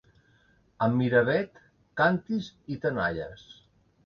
A Miravet, càntirs i tenalles.